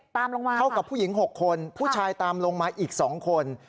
ตามลงมาเท่ากับผู้หญิง๖คนผู้ชายตามลงมาอีก๒คน